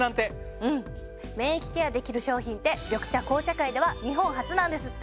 うん免疫ケアできる商品って緑茶・紅茶界では日本初なんですって。